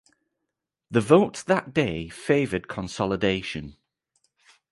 The vote that day favored consolidation.